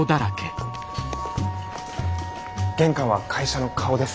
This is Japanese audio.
玄関は会社の顔です。